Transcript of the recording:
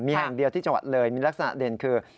มีแห่งเดียวที่จังหวัดเลยมีลักษณะเด่นคือ